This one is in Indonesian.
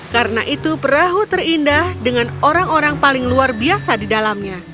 karena itu perahu terindah dengan orang orang paling luar biasa di dalamnya